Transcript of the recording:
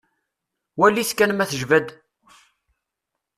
Walit kan ma tejba-d.